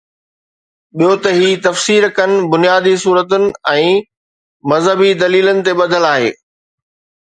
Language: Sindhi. ٻيو ته هي تفسير ڪن بنيادي صورتن ۽ مذهبي دليلن تي ٻڌل آهي.